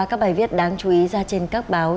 các bài viết đáng chú ý ra trên các báo